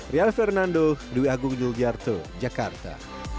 rial fernando dewi agung yuljarto jakarta